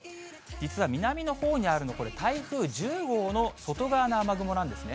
実は南のほうにあるの、これ、台風１０号の外側の雨雲なんですね。